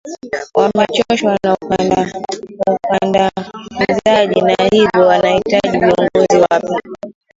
wamechoshwa na ukandamizaji na hivyo wanahitaji viongozi wapya